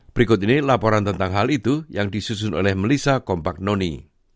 berikut ini laporan tentang hal itu yang disusun oleh melissa kompak noni